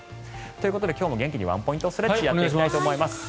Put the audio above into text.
ということで今日も元気にワンポイントストレッチをやっていきたいと思います。